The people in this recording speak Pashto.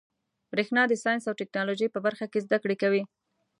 برېښنا د ساینس او ټيکنالوجۍ په برخه کي زده کړي کوي.